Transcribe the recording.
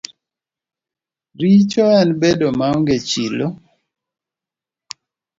Richo en bedo maonge chilo.